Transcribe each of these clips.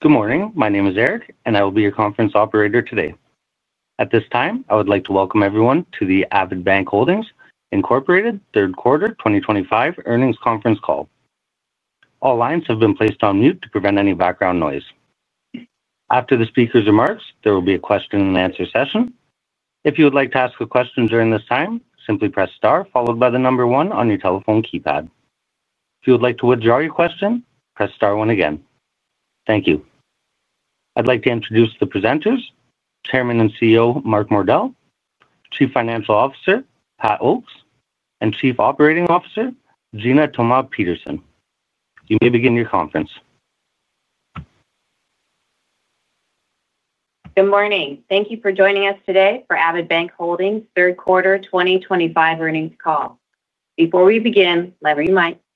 Good morning. My name is Eric, and I will be your conference operator today. At this time, I would like to welcome everyone to the Avidbank Holdings, Inc. Third Quarter 2025 Earnings Conference Call. All lines have been placed on mute to prevent any background noise. After the speakers' remarks, there will be a question and answer session. If you would like to ask a question during this time, simply press star followed by the number one on your telephone keypad. If you would like to withdraw your question, press star one again. Thank you. I'd like to introduce the presenters: Chairman and CEO Mark Mordell, Chief Financial Officer Patrick Oakes, and Chief Operating Officer Gina Thoma-Peterson. You may begin your conference. Good morning. Thank you for joining us today for Avidbank Holdings Third Quarter 2025 Earnings Call. Before we begin, let me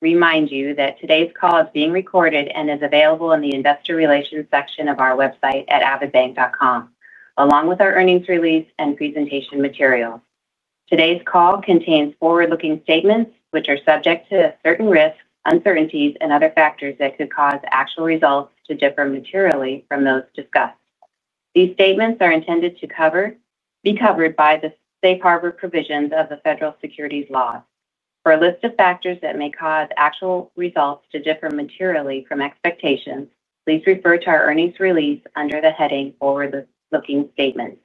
remind you that today's call is being recorded and is available in the Investor Relations section of our website at avidbank.com, along with our earnings release and presentation materials. Today's call contains forward-looking statements, which are subject to certain risks, uncertainties, and other factors that could cause actual results to differ materially from those discussed. These statements are intended to be covered by the safe harbor provisions of the Federal Securities Law. For a list of factors that may cause actual results to differ materially from expectations, please refer to our earnings release under the heading Forward Looking Statements,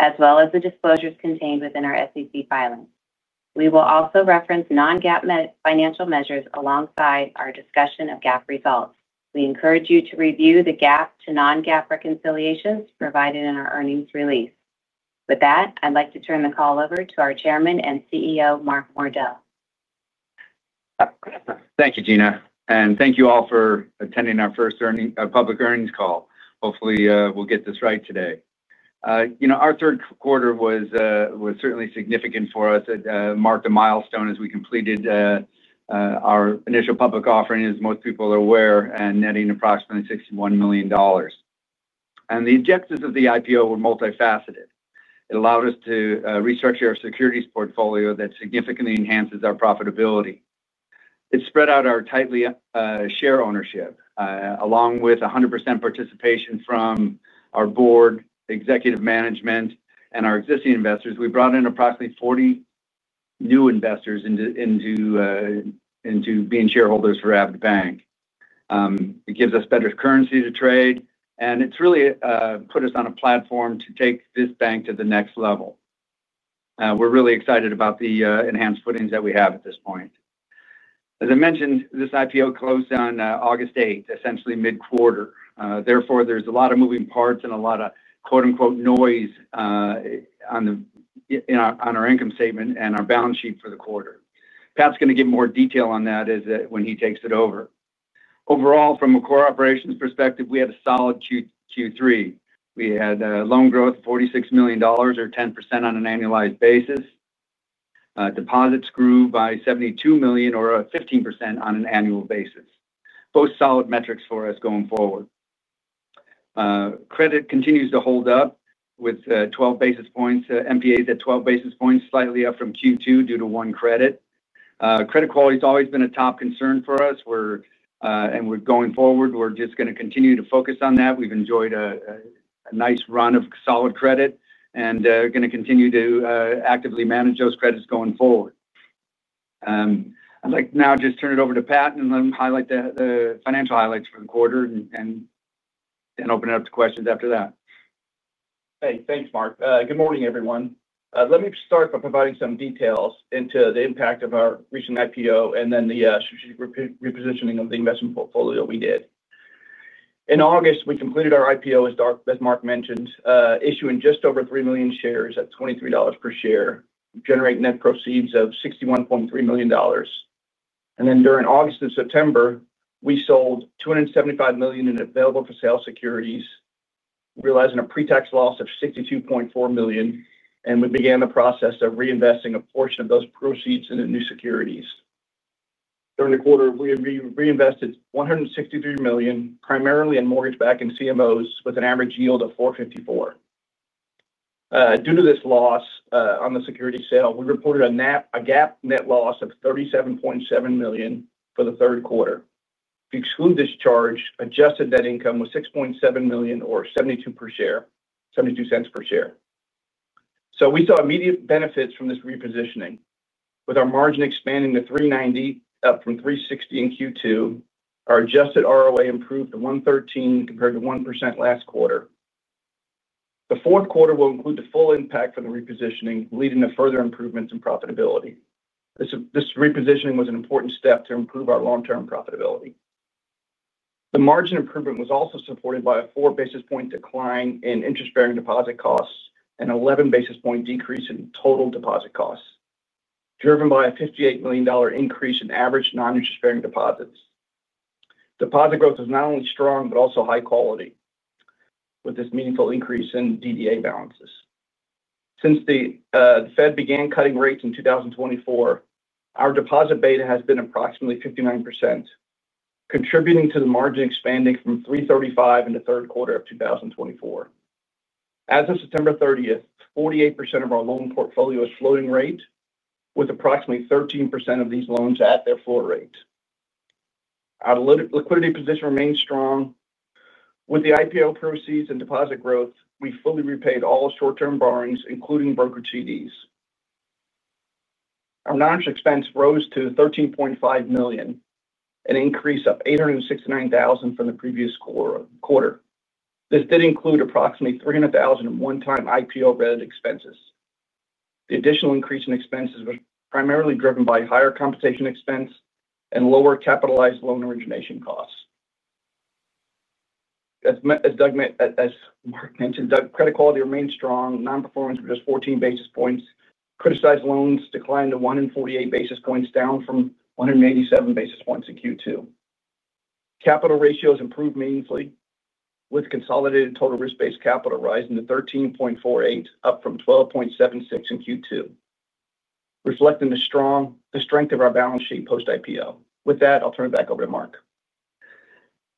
as well as the disclosures contained within our SEC filing. We will also reference non-GAAP financial measures alongside our discussion of GAAP results. We encourage you to review the GAAP to non-GAAP reconciliations provided in our earnings release. With that, I'd like to turn the call over to our Chairman and CEO, Mark Mordell. Thank you, Gina, and thank you all for attending our first public earnings call. Hopefully, we'll get this right today. You know, our third quarter was certainly significant for us. It marked a milestone as we completed our initial public offering, as most people are aware, and netting approximately $61 million. The objectives of the IPO were multifaceted. It allowed us to restructure our securities portfolio that significantly enhances our profitability. It spread out our tightly shared ownership, along with 100% participation from our board, executive management, and our existing investors. We brought in approximately 40 new investors into being shareholders for Avidbank. It gives us better currency to trade, and it's really put us on a platform to take this bank to the next level. We're really excited about the enhanced footings that we have at this point. As I mentioned, this IPO closed on August 8, essentially mid-quarter. Therefore, there's a lot of moving parts and a lot of quote unquote "noise" on our income statement and our balance sheet for the quarter. Pat's going to give more detail on that when he takes it over. Overall, from a core operations perspective, we had a solid Q3. We had loan growth of $46 million, or 10% on an annualized basis. Deposits grew by $72 million, or 15% on an annual basis. Both solid metrics for us going forward. Credit continues to hold up with 12 basis points. NPA is at 12 basis points, slightly up from Q2 due to one credit. Credit quality has always been a top concern for us, and we're going forward. We're just going to continue to focus on that. We've enjoyed a nice run of solid credit and are going to continue to actively manage those credits going forward. I'd like to now just turn it over to Pat and let him highlight the financial highlights for the quarter and then open it up to questions after that. Hey, thanks, Mark. Good morning, everyone. Let me start by providing some details into the impact of our recent IPO and then the strategic repositioning of the investment portfolio we did. In August, we completed our IPO, as Mark mentioned, issuing just over 3 million shares at $23 per share, generating net proceeds of $61.3 million. During August and September, we sold $275 million in available for sale securities, realizing a pre-tax loss of $62.4 million, and we began the process of reinvesting a portion of those proceeds into new securities. During the quarter, we reinvested $163 million, primarily in mortgage-backed CMOs, with an average yield of 4.54%. Due to this loss on the security sale, we reported a GAAP net loss of $37.7 million for the third quarter. If you exclude this charge, adjusted net income was $6.7 million, or $0.72 per share. We saw immediate benefits from this repositioning, with our margin expanding to 3.90%, up from 3.60% in Q2. Our adjusted ROA improved to 1.13% compared to 1% last quarter. The fourth quarter will include the full impact from the repositioning, leading to further improvements in profitability. This repositioning was an important step to improve our long-term profitability. The margin improvement was also supported by a 4 basis point decline in interest-bearing deposit costs and an 11 basis point decrease in total deposit costs, driven by a $58 million increase in average non-interest-bearing deposits. Deposit growth was not only strong but also high quality, with this meaningful increase in DDA balances. Since the Fed began cutting rates in 2024, our deposit beta has been approximately 59%, contributing to the margin expanding from 3.35% in the third quarter of 2024. As of September 30, 48% of our loan portfolio is floating rate, with approximately 13% of these loans at their floor rate. Our liquidity position remains strong. With the IPO proceeds and deposit growth, we fully repaid all short-term borrowings, including brokered CDs. Our non-interest expense rose to $13.5 million, an increase of $869,000 from the previous quarter. This did include approximately $300,000 in one-time IPO-related expenses. The additional increase in expenses was primarily driven by higher compensation expense and lower capitalized loan origination costs. As Mark mentioned, credit quality remains strong. Non-performance was just 14 basis points. Criticized loans declined to 148 basis points, down from 187 basis points in Q2. Capital ratio has improved meaningfully, with consolidated total risk-based capital rising to 13.48%, up from 12.76% in Q2, reflecting the strong strength of our balance sheet post-IPO. With that, I'll turn it back over to Mark.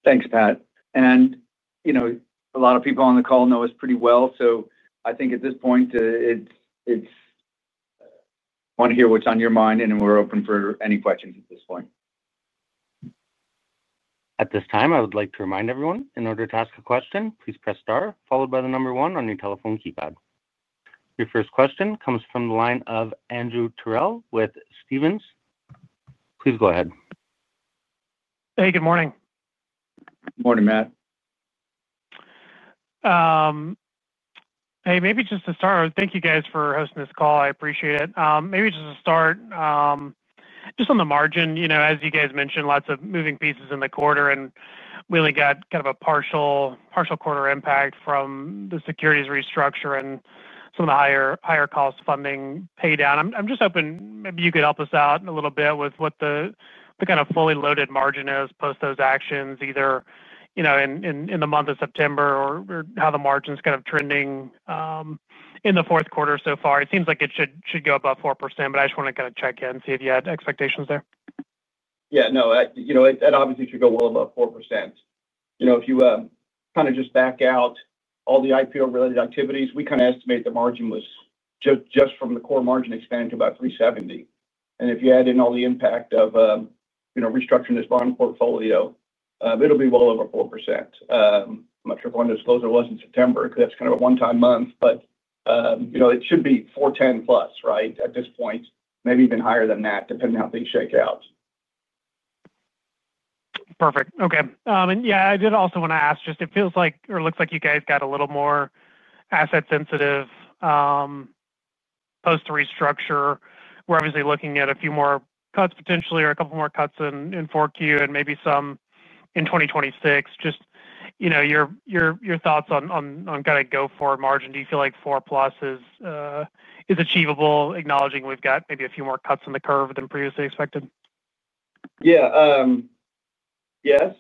Thanks, Pat. A lot of people on the call know us pretty well, so I think at this point, it's fun to hear what's on your mind, and we're open for any questions at this point. At this time, I would like to remind everyone, in order to ask a question, please press star followed by the number one on your telephone keypad. Your first question comes from the line of Andrew Terrell with Stephens. Please go ahead. Hey, good morning. Good morning, Matt. Hey, maybe just to start, thank you guys for hosting this call. I appreciate it. Maybe just to start, just on the margin, you know, as you guys mentioned, lots of moving pieces in the quarter, and we only got kind of a partial quarter impact from the securities restructure and some of the higher cost funding pay down. I'm just hoping maybe you could help us out a little bit with what the kind of fully loaded margin is post those actions, either, you know, in the month of September or how the margin's kind of trending in the fourth quarter so far. It seems like it should go above 4%, but I just want to kind of check in, see if you had expectations there. Yeah, no, you know, it obviously should go well above 4%. If you kind of just back out all the IPO-related activities, we kind of estimate the margin was just from the core margin expanding to about $370. If you add in all the impact of restructuring this bond portfolio, it'll be well over 4%. I'm not sure if I want to disclose what it was in September because that's kind of a one-time month, but you know, it should be $410 plus at this point, maybe even higher than that, depending on how things shake out. Perfect. Okay. I did also want to ask, it feels like or looks like you guys got a little more asset-sensitive post-restructure. We're obviously looking at a few more cuts, potentially, or a couple more cuts in 4Q and maybe some in 2026. Your thoughts on kind of go forward margin? Do you feel like 4% plus is achievable, acknowledging we've got maybe a few more cuts in the curve than previously expected? Yes,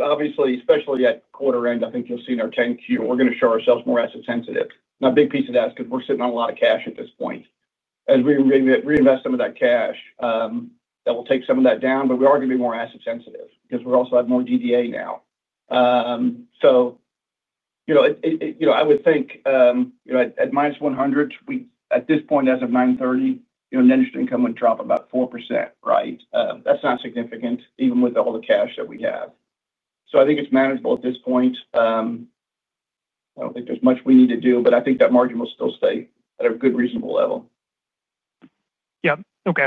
obviously, especially at quarter end, I think you'll see in our 10Q, we're going to show ourselves more asset-sensitive. A big piece of that is because we're sitting on a lot of cash at this point. As we reinvest some of that cash, that will take some of that down, but we are going to be more asset-sensitive because we also have more DDA now. I would think at minus 100, we at this point, as of 9/30, net interest income would drop about 4%. That's not significant, even with all the cash that we have. I think it's manageable at this point. I don't think there's much we need to do, but I think that margin will still stay at a good, reasonable level. Okay.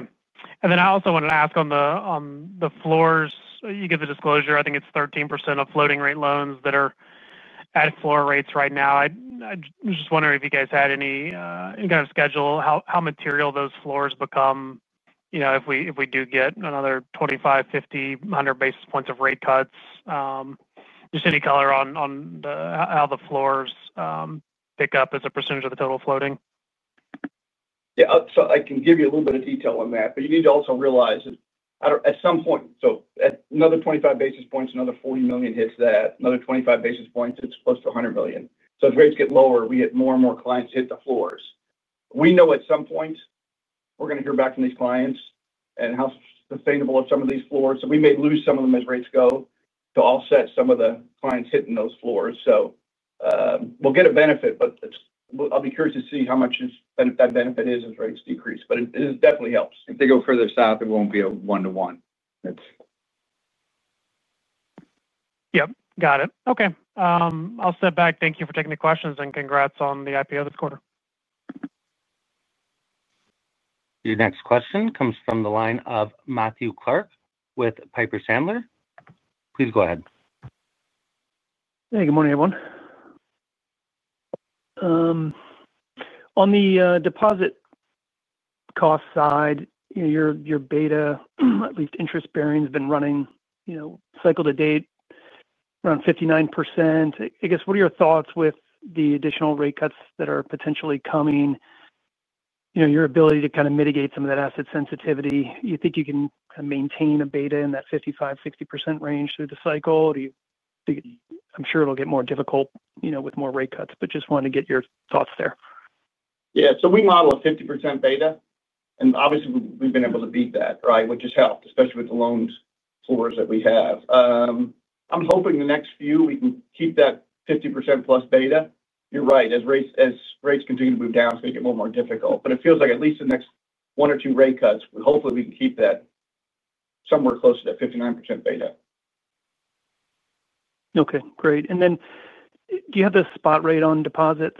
I also wanted to ask on the floors. You give the disclosure, I think it's 13% of floating rate loans that are at floor rates right now. I was just wondering if you guys had any kind of schedule, how material those floors become, you know, if we do get another 25, 50, 100 basis points of rate cuts, just any color on how the floors pick up as a percentage of the total floating? Yeah. I can give you a little bit of detail on that, but you need to also realize that at some point, at another 25 basis points, another $40 million hits that, another 25 basis points, it's close to $100 million. As rates get lower, we get more and more clients hit the floors. We know at some point we're going to hear back from these clients and how sustainable are some of these floors. We may lose some of them as rates go to offset some of the clients hitting those floors. We'll get a benefit, but I'll be curious to see how much that benefit is as rates decrease. It definitely helps. If they go further south, it won't be a one-to-one. Got it. Okay. I'll step back. Thank you for taking the questions, and congrats on the IPO this quarter. Your next question comes from the line of Matthew Clark with Piper Sandler. Please go ahead. Hey, good morning, everyone. On the deposit cost side, your beta, at least interest bearings, have been running cycle to date around 59%. What are your thoughts with the additional rate cuts that are potentially coming? Your ability to kind of mitigate some of that asset sensitivity, you think you can kind of maintain a beta in that 55-60% range through the cycle? I'm sure it'll get more difficult with more rate cuts, but just wanted to get your thoughts there. Yeah. We model a 50% beta, and obviously, we've been able to beat that, which has helped, especially with the loan floors that we have. I'm hoping the next few we can keep that 50% plus beta. You're right. As rates continue to move down, it's going to get more and more difficult. It feels like at least the next one or two rate cuts, hopefully, we can keep that somewhere close to that 59% beta. Okay. Great. Do you have the spot rate on deposit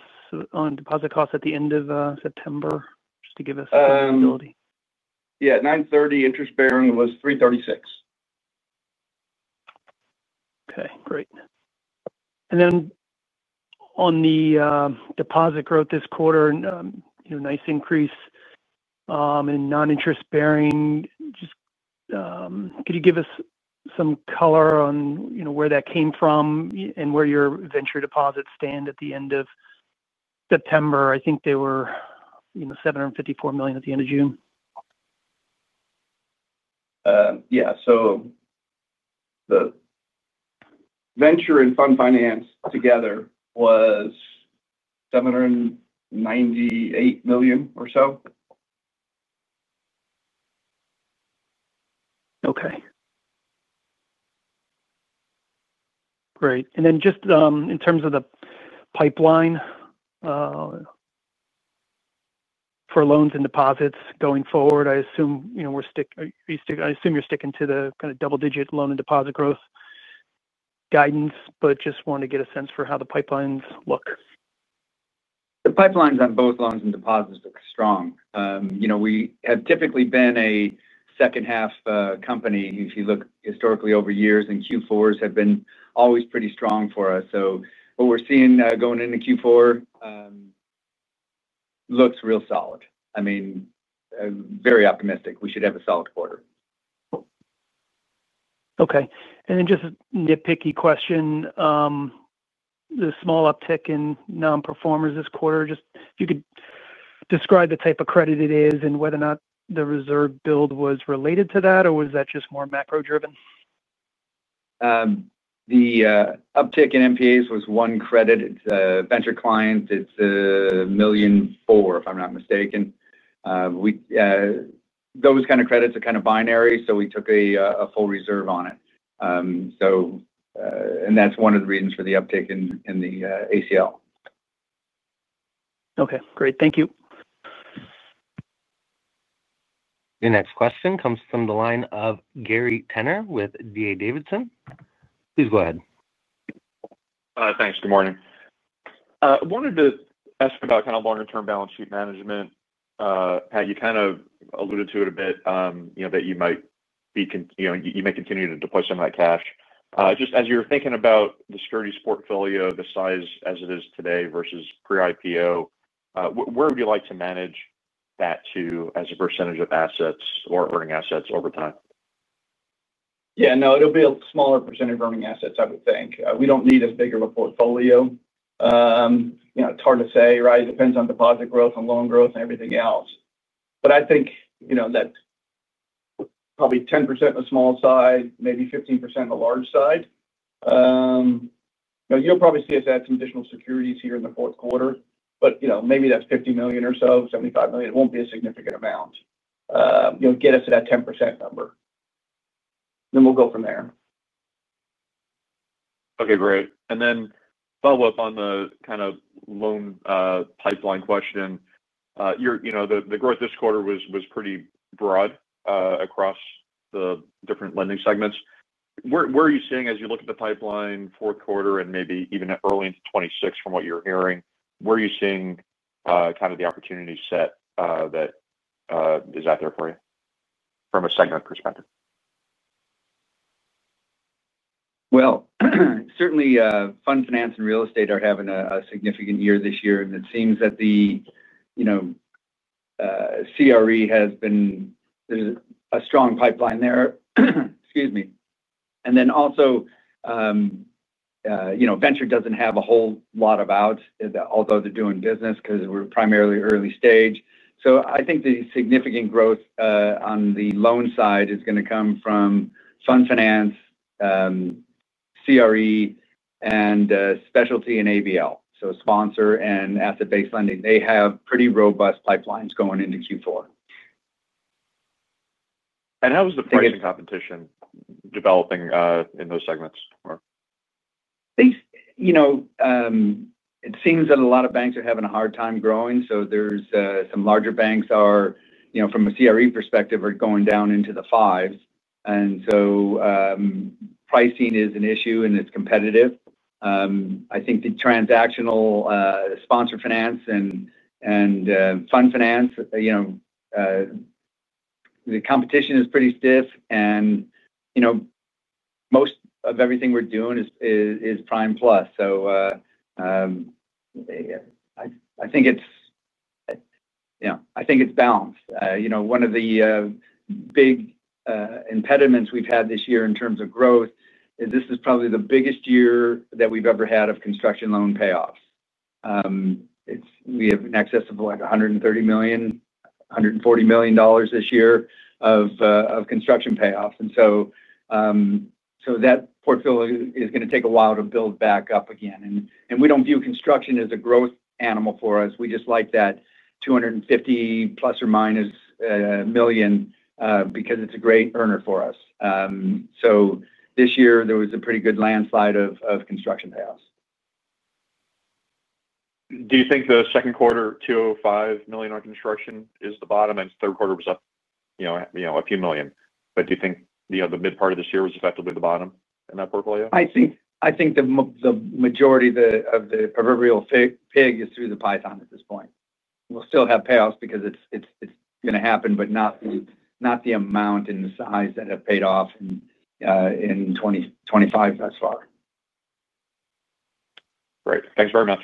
costs at the end of September, just to give us accountability? Yeah. At 9/30, interest bearing was $336 million. Okay. Great. On the deposit growth this quarter, nice increase in non-interest bearing. Could you give us some color on where that came from and where your venture deposits stand at the end of September? I think they were $754 million at the end of June. Yeah, the venture and fund finance together was $798 million or so. Great. In terms of the pipeline for loans and deposits going forward, I assume you're sticking to the kind of double-digit loan and deposit growth guidance, but just wanted to get a sense for how the pipelines look. The pipelines on both loans and deposits look strong. We have typically been a second-half company. If you look historically over years, and Q4s have been always pretty strong for us. What we're seeing going into Q4 looks real solid. I mean, very optimistic. We should have a solid quarter. Okay. Just a nitpicky question. The small uptick in non-performers this quarter, just if you could describe the type of credit it is and whether or not the reserve build was related to that, or was that just more macro-driven? The uptick in NPAs was one credit. Venture client, it's $1.4 million, if I'm not mistaken. Those kind of credits are kind of binary, so we took a full reserve on it. That's one of the reasons for the uptick in the ACL. Okay, great. Thank you. Your next question comes from the line of Gary Tenner with DA Davidson. Please go ahead. Thanks. Good morning. I wanted to ask about kind of longer-term balance sheet management. Pat, you kind of alluded to it a bit, you know, that you might be, you know, you may continue to deploy some of that cash. Just as you're thinking about the securities portfolio, the size as it is today versus pre-IPO, where would you like to manage that to as a percentage of assets or earning assets over time? Yeah. No, it'll be a smaller percentage of earning assets, I would think. We don't need as big of a portfolio. It's hard to say, right? It depends on deposit growth and loan growth and everything else. I think that probably 10% on the small side, maybe 15% on the large side. You'll probably see us add some additional securities here in the fourth quarter, maybe that's $50 million or so, $75 million. It won't be a significant amount. Get us at that 10% number. We'll go from there. Okay. Great. Follow up on the kind of loan pipeline question. The growth this quarter was pretty broad across the different lending segments. Where are you seeing, as you look at the pipeline fourth quarter and maybe even early into 2026, from what you're hearing, where are you seeing kind of the opportunity set that is out there for you from a segment perspective? Fund finance and real estate are having a significant year this year, and it seems that the CRE has been, there's a strong pipeline there. Excuse me. Also, venture doesn't have a whole lot of outs, although they're doing business because we're primarily early stage. I think the significant growth on the loan side is going to come from fund finance, CRE, and specialty in ABL, so sponsor and asset-based lending. They have pretty robust pipelines going into Q4. How is the pricing competition developing in those segments, Mark? It seems that a lot of banks are having a hard time growing. There are some larger banks, you know, from a commercial real estate perspective, going down into the fives. Pricing is an issue, and it's competitive. I think the transactional sponsor finance and fund finance, you know, the competition is pretty stiff. Most of everything we're doing is prime plus. I think it's balanced. One of the big impediments we've had this year in terms of growth is this is probably the biggest year that we've ever had of construction loan payoffs. We have an excess of like $130 million, $140 million this year of construction payoffs. That portfolio is going to take a while to build back up again. We don't view construction as a growth animal for us. We just like that $250 million plus or minus because it's a great earner for us. This year, there was a pretty good landslide of construction payoffs. Do you think the second quarter, $205 million on construction, is the bottom, and the third quarter was up a few million? Do you think the mid-part of this year was effectively the bottom in that portfolio? I think the majority of the proverbial pig is through the python at this point. We'll still have payoffs because it's going to happen, but not the amount and the size that have paid off in 2024 thus far. Great. Thanks very much.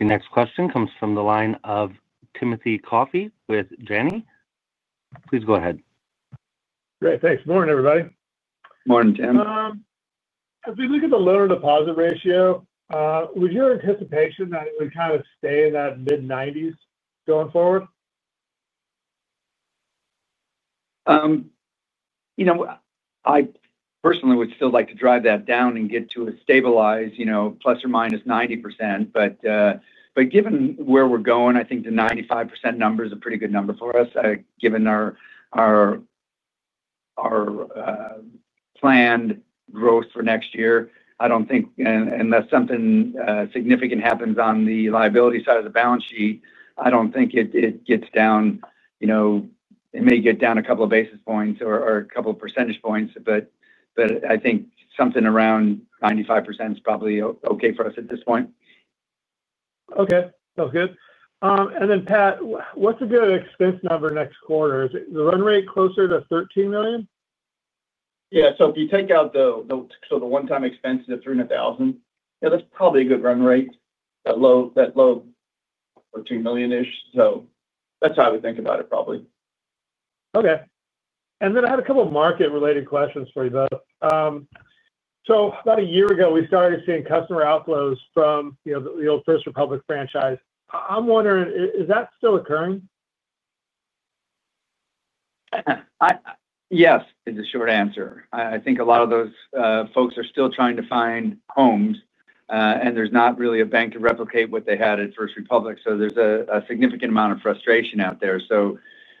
Your next question comes from the line of Timothy Coffey with Janney. Please go ahead. Great. Thanks. Morning, everybody. Morning, Tim. As we look at the loan or deposit ratio, was your anticipation that it would kind of stay in that mid-90% going forward? You know. I personally would still like to drive that down and get to a stabilized, you know, plus or minus 90%. Given where we're going, I think the 95% number is a pretty good number for us. Given our planned growth for next year, I don't think, unless something significant happens on the liability side of the balance sheet, it gets down. It may get down a couple of basis points or a couple of percentage points, but I think something around 95% is probably okay for us at this point. Okay. Sounds good. Pat, what's a good expense number next quarter? Is the run rate closer to $13 million? If you take out the one-time expenses of $300,000, yeah, that's probably a good run rate, that low $13 million-ish. That's how I would think about it, probably. Okay. I had a couple of market-related questions for you both. About a year ago, we started seeing customer outflows from, you know, the old First Republic franchise. I'm wondering, is that still occurring? Yes, is the short answer. I think a lot of those folks are still trying to find homes, and there's not really a bank to replicate what they had at First Republic Bank. There is a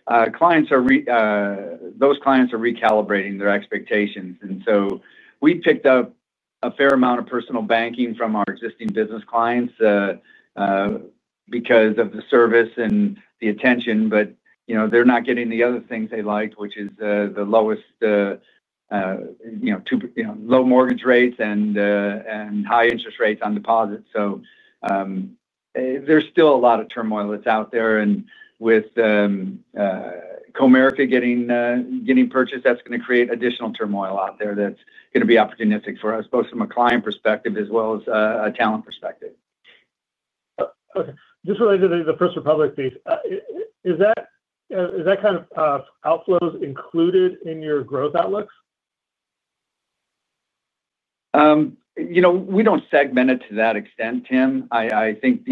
significant amount of frustration out there. Those clients are recalibrating their expectations. We picked up a fair amount of personal banking from our existing business clients because of the service and the attention. They're not getting the other things they liked, which is the lowest, you know, low mortgage rates and high interest rates on deposits. There is still a lot of turmoil that's out there. With Comerica getting purchased, that's going to create additional turmoil out there that's going to be opportunistic for us, both from a client perspective as well as a talent perspective. Okay. Just related to the First Republic Bank piece, is that kind of outflows included in your growth outlooks? We don't segment it to that extent, Tim. I think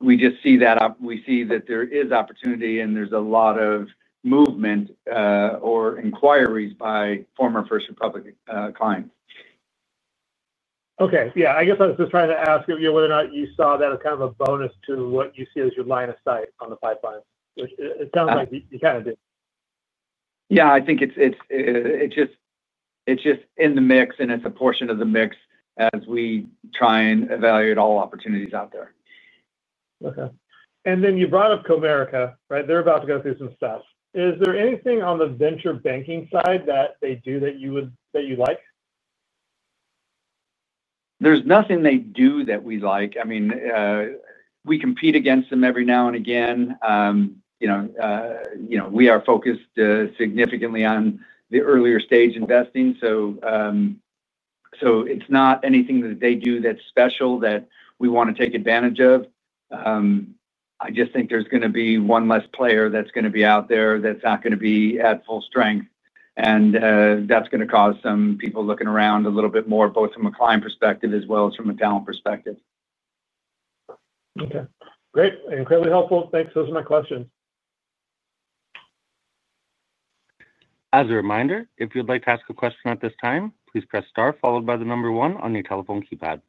we just see that there is opportunity, and there's a lot of movement or inquiries by former First Republic Bank clients. Okay. I guess I was just trying to ask you whether or not you saw that as kind of a bonus to what you see as your line of sight on the pipeline, which it sounds like you kind of do. I think it's just in the mix, and it's a portion of the mix as we try and evaluate all opportunities out there. Okay. You brought up Comerica, right? They're about to go through some stuff. Is there anything on the venture banking side that they do that you like? There's nothing they do that we like. I mean, we compete against them every now and again. We are focused significantly on the earlier-stage investing. It's not anything that they do that's special that we want to take advantage of. I just think there's going to be one less player that's going to be out there that's not going to be at full strength. That's going to cause some people looking around a little bit more, both from a client perspective as well as from a talent perspective. Okay. Great. Incredibly helpful. Thanks. Those are my questions. As a reminder, if you'd like to ask a question at this time, please press star followed by the number one on your telephone keypad.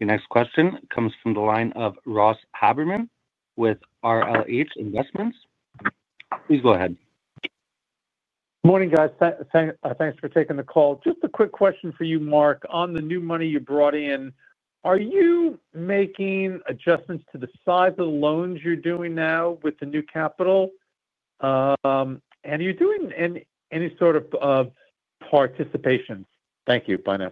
Your next question comes from the line of Ross Haberman with RLH Investments. Please go ahead. Morning, guys. Thanks for taking the call. Just a quick question for you, Mark. On the new money you brought in, are you making adjustments to the size of the loans you're doing now with the new capital? Are you doing any sort of participation? Thank you. Bye now.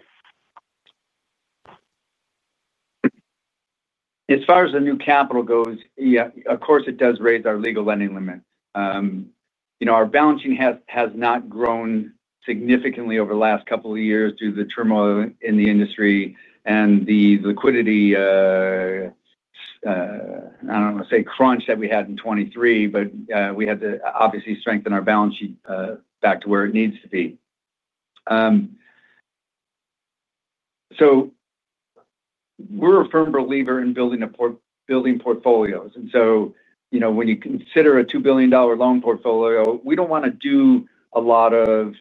As far as the new capital goes, yeah, of course, it does raise our legal lending limit. Our balance sheet has not grown significantly over the last couple of years due to the turmoil in the industry and the liquidity, I don't want to say crunch that we had in 2023, but we had to obviously strengthen our balance sheet back to where it needs to be. We're a firm believer in building portfolios. When you consider a $2 billion loan portfolio, we don't want to do a lot of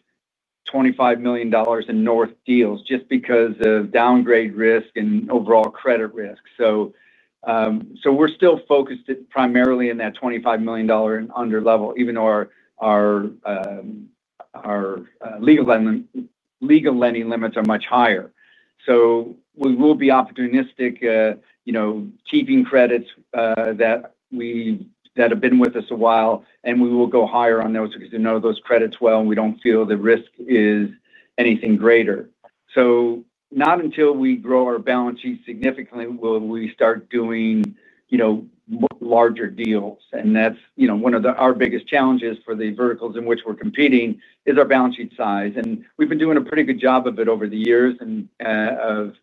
$25 million and north deals just because of downgrade risk and overall credit risk. We're still focused primarily in that $25 million and under level, even though our legal lending limits are much higher. We will be opportunistic, keeping credits that have been with us a while, and we will go higher on those because we know those credits well, and we don't feel the risk is anything greater. Not until we grow our balance sheet significantly will we start doing larger deals. That's one of our biggest challenges for the verticals in which we're competing, is our balance sheet size. We've been doing a pretty good job of it over the years and of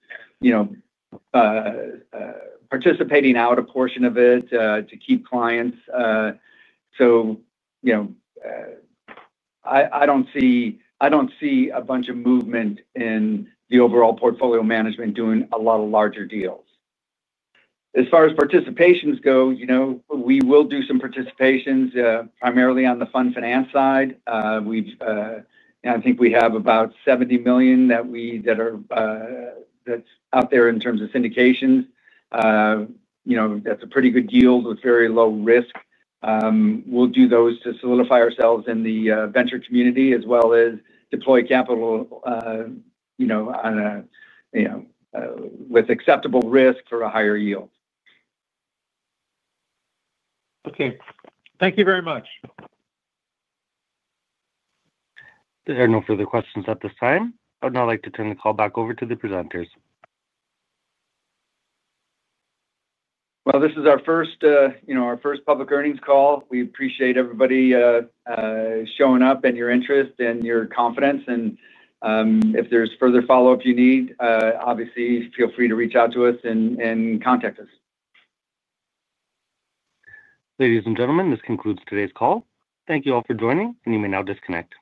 participating out a portion of it to keep clients. I don't see a bunch of movement in the overall portfolio management doing a lot of larger deals. As far as participations go, we will do some participations primarily on the fund finance side. I think we have about $70 million that are out there in terms of syndications. That's a pretty good yield with very low risk. We'll do those to solidify ourselves in the venture community as well as deploy capital with acceptable risk for a higher yield. Okay, thank you very much. There are no further questions at this time. I would now like to turn the call back over to the presenters. This is our first public earnings call. We appreciate everybody showing up and your interest and your confidence. If there's further follow-up you need, obviously, feel free to reach out to us and contact us. Ladies and gentlemen, this concludes today's call. Thank you all for joining, and you may now disconnect.